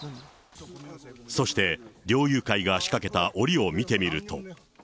そして、猟友会が仕掛けたおりを見てみると。